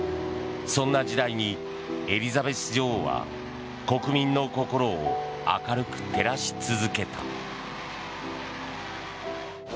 そんな時代にエリザベス女王は国民の心を明るく照らし続けた。